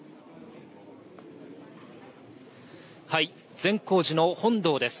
はい、善光寺の本堂です。